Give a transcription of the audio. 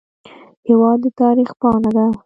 هېواد د تاریخ پاڼه ده.